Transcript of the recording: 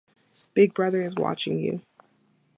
Big brother is watching you